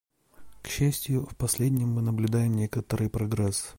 К счастью, в последнем мы наблюдаем некоторый прогресс.